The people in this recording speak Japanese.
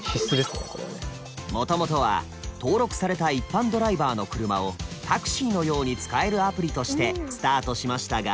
もともとは登録された一般ドライバーの車をタクシーのように使えるアプリとしてスタートしましたが